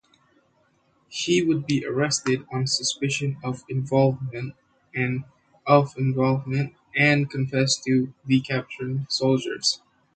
He would be arrested on suspicion of involvement and confess to the capturing soldiers.